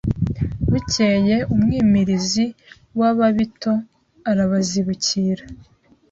Bukeye umwimirizi w’Ababito arabazibukira